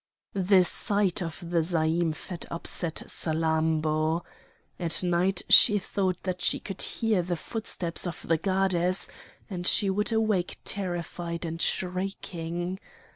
The sight of the zaïmph had upset Salammbô. At night she thought that she could hear the footsteps of the goddess, and she would awake terrified and shrieking.